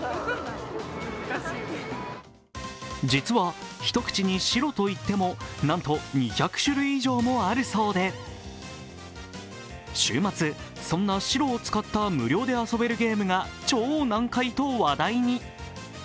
実は一口に白といってもなんと２００種類以上あるそうで週末、そんな白を使った無料で遊べるゲームが超難解と話題に。